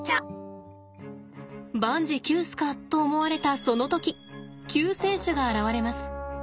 万事休すかと思われたその時救世主が現れます。